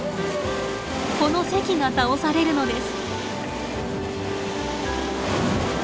この堰が倒されるのです。